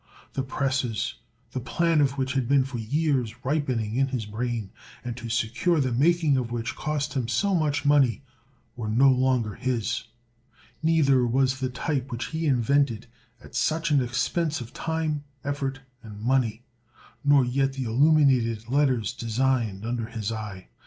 The presses, the plan of which had been for years ripening in his brain, and to secure the making of which cost him so much money, were no longer his; neither was the type which he invented at such an expense of time, effort, and money, nor yet the illuminated letters designed under his eye.